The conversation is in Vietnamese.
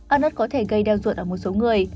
ăn nất có thể gây đau ruột ở một số người